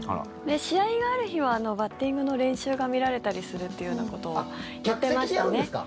試合がある日はバッティングの練習が見られたりするっていうようなこともやってましたね。